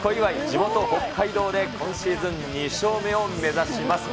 地元北海道で今シーズン２勝目を目指します。